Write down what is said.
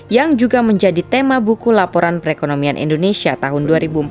yang juga menjadi tema buku laporan perekonomian indonesia tahun dua ribu empat belas